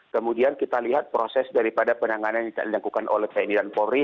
kemudian kita lihat proses daripada penanganan yang dilakukan oleh tni dan polri